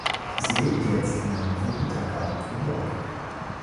Sie lebt jetzt in der Nähe von Ithaca, New York.